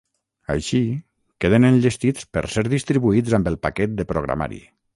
Així, queden enllestits per ser distribuïts amb el paquet de programari.